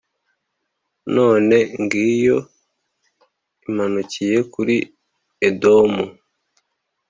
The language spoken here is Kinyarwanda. none ngiyo imanukiye kuri Edomu,